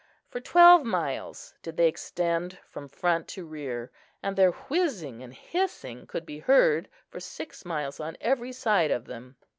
For twelve miles did they extend from front to rear, and their whizzing and hissing could be heard for six miles on every side of them.